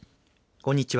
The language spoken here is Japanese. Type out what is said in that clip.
こんにちは。